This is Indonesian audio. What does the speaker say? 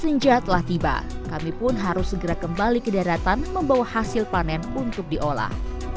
senja telah tiba kami pun harus segera kembali ke daratan membawa hasil panen untuk diolah